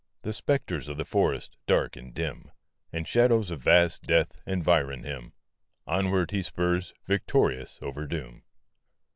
The spectres of the forest, dark and dim, And shadows of vast death environ him Onward he spurs victorious over doom.